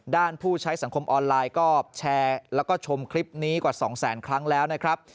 ผู้ใช้สังคมออนไลน์ก็แชร์แล้วก็ชมคลิปนี้กว่า๒แสนครั้งแล้วนะครับ